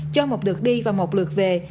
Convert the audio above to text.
cho một lượt đi và một lượt về